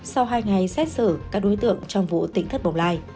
sau hai ngày xét xử các đối tượng trong vụ tỉnh thất bồng lai